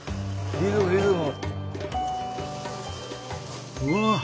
リズムリズム。